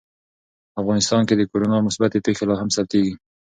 افغانستان کې د کورونا مثبتې پېښې لا هم ثبتېږي.